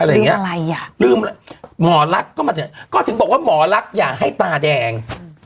อะไรงี้รึมอะไรหล่อรักก็มาได้ถึงบอกว่าหรอกอย่าให้ตาแดง